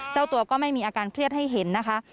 เจ้าตัวก็ไม่มีอาการเครียดให้เห็นนะคะ